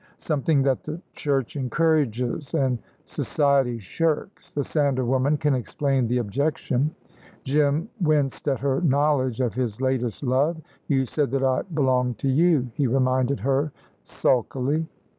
"Something that the Church encourages and society shirks. The Sandal woman can explain the objection." Jim winced at her knowledge of his latest love. "You said that I belonged to you," he reminded her sulkily.